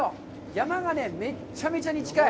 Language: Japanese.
山がね、めっちゃめちゃに近い。